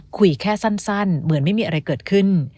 คุยแค่สั้นเหมือนไม่มีอะไรเกิดขึ้น